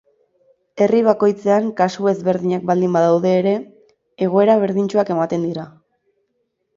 Herri bakoitzean kasu ezberdinak baldin badaude ere, egoera berdintsuak ematen dira.